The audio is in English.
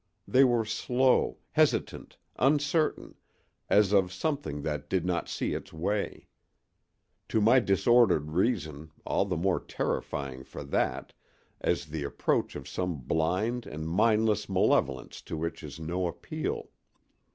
They were slow, hesitant, uncertain, as of something that did not see its way; to my disordered reason all the more terrifying for that, as the approach of some blind and mindless malevolence to which is no appeal.